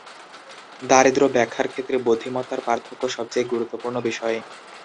দারিদ্র্য ব্যাখ্যার ক্ষেত্রে বুদ্ধিমত্তার পার্থক্য সবচেয়ে গুরুত্বপূর্ণ বিষয়।